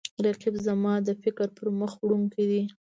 رقیب زما د فکر پرمخ وړونکی دی